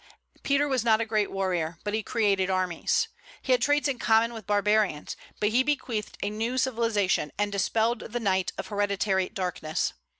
Peter was not a great warrior, but he created armies. He had traits in common with barbarians, but he bequeathed a new civilization, and dispelled the night of hereditary darkness.